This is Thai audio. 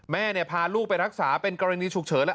แม่เนี่ยพาลูกไปรักษาเป็นกรณีฉุกเฉิน